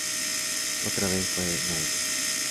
Otra vez fue novena.